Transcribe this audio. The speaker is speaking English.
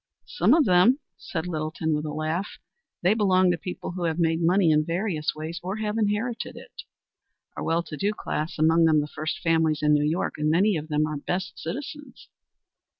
"Some of them," said Littleton, with a laugh. "They belong to people who have made money in various ways or have inherited it our well to do class, among them the first families in New York, and many of them our best citizens."